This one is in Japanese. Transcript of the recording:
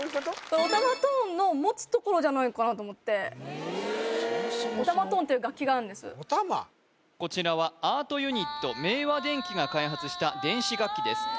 オタマトーンの持つところじゃないかなと思ってオタマトーンっていう楽器があるんですこちらはアートユニット明和電機が開発した電子楽器です